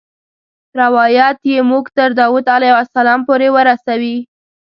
روایت یې موږ تر داود علیه السلام پورې ورسوي.